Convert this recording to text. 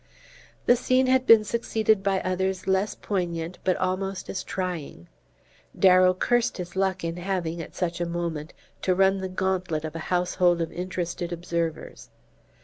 The scene had been succeeded by others less poignant but almost as trying. Darrow cursed his luck in having, at such a moment, to run the gauntlet of a houseful of interested observers.